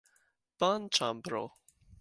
banĉambro